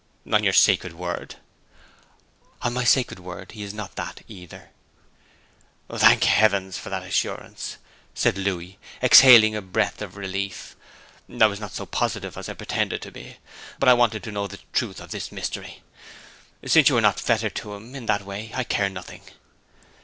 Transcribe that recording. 'On your sacred word!' 'On my sacred word he is not that either.' 'Thank heaven for that assurance!' said Louis, exhaling a breath of relief. 'I was not so positive as I pretended to be but I wanted to know the truth of this mystery. Since you are not fettered to him in that way I care nothing.'